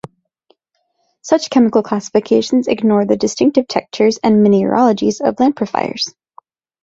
Such chemical classifications ignore the distinctive textures and mineralogies of lamprophyres.